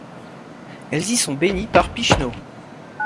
Elles y sont bénies par Pichenot.